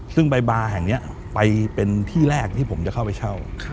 ซึ่งใบบาร์แห่งนี้ไปเป็นที่แรกที่ผมจะเข้าไปเช่า